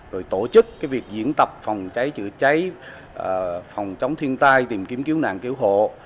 rồi tổ chức cái việc diễn tập phòng cháy chữa cháy phòng chống thiên tai tìm kiếm cứu nạn cứu hộ